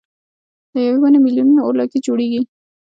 له یوې ونې مېلیونه اورلګیت جوړېږي.